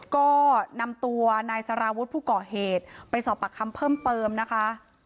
ก็นำตัวนายสารวุฒิผู้ก่อเหตุไปสอบปากคำเพิ่มเติมนะคะ